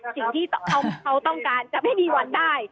สิ่งที่เขาต้องการจะไม่มีวันได้